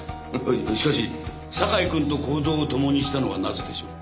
しかし酒井君と行動を共にしたのはなぜでしょう？